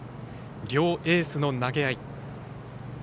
両エースの投げ合い。